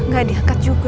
gak diangkat juga